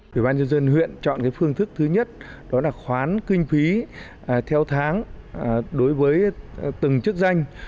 ủy ban nhân dân huyện chọn phương thức thứ nhất đó là khoán kinh phí theo tháng đối với từng chức danh